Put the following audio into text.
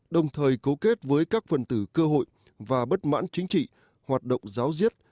đồng thời cấu kết với các phần tử cơ hội và bất mãn chính trị hoạt động giáo diết